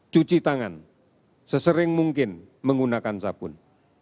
cuci tangan sesering mungkin menggunakan sabun